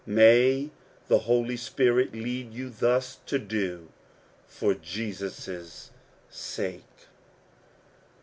May the Holy Spirit lead you thus to do, for Jesus* sake!